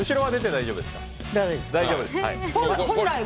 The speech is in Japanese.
大丈夫です。